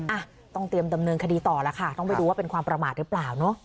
อ่ะต้องเตรียมดำเนินคดีต่อแล้วค่ะต้องไปดูว่าเป็นความประมาทหรือเปล่าเนอะ